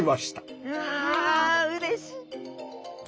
わうれしい！